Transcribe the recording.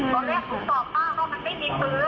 แต่ลุงหนูมีลืมให้เตรียม